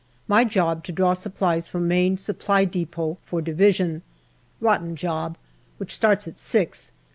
My job to draw supplies from Main Supply depot for Division. Rotten job, which starts at six.